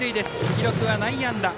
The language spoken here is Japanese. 記録は内野安打。